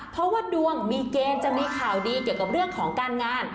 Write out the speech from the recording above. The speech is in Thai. เพราะว่าดวงมีเกณฑ์จะมีข่าวดีเกี่ยวกับเรื่องของการงาน